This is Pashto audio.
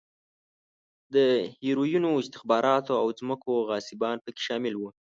د هیروینو، استخباراتو او ځمکو غاصبان په کې شامل و.